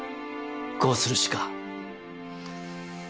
こうするしか。